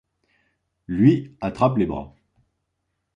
Lui attrape les bras.